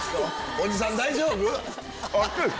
おじさん大丈夫？